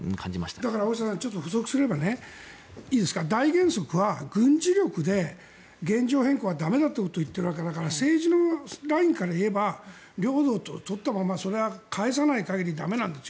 だから、補足すれば大原則は軍事力で現状変更は駄目だということを言っているわけだから政治のラインから言えば領土を取ったままそれは返さない限り駄目なんですよ。